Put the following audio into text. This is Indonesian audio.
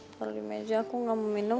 kalo di meja aku gak mau minum